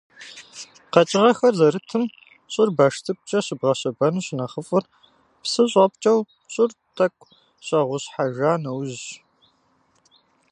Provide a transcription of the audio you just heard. Къэкӏыгъэхэр зэрытым щӏыр баш цӏыкӏукӏэ щыбгъэщэбэну щынэхъыфӏыр псы щӏэпкӏэу щӏыр тӏэкӏу щӏэгъущхьэжа нэужьщ.